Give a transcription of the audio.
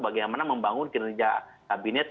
bagaimana membangun kinerja kabinet